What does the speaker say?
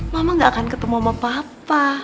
mama gak akan ketemu sama papa